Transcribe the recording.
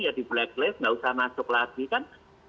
ya di blacklist nggak usah masuk lagi kan